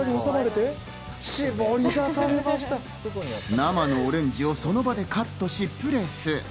生のオレンジをその場でカットし、プレス。